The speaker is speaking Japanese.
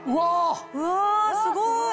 うわすごい！